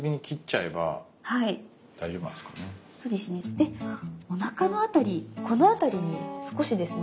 でおなかの辺りこの辺りに少しですね